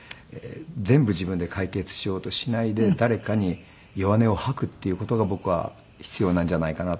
全部自分で解決しようとしないで誰かに弱音を吐くっていう事が僕は必要なんじゃないかなと。